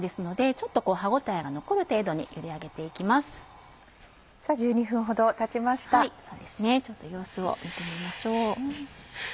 ちょっと様子を見てみましょう。